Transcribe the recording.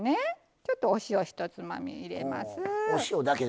ちょっとお塩一つまみ入れます。